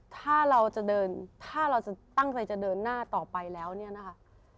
ถ้าเราจะเดินถ้าเราจะตั้งใจจะเดินหน้าต่อไปแล้วเนี่ยนะคะ